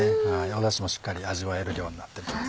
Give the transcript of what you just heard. ダシもしっかり味わえる量になってます。